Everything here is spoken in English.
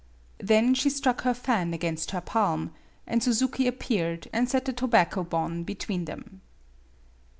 Then she struck her fan against her palm, and Suzuki appeared, and set the tobaco bon between them.